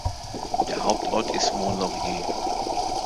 Der Hauptort ist Mont-Laurier.